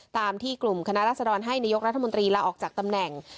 ตามที่กลุ่มคณะรัศดรให้นายกรัฐมนตรีลาออกจากตำแหน่ง